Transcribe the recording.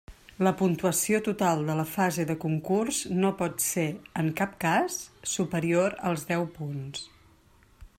La puntuació total de la fase de concurs no pot ser, en cap cas, superior als deu punts.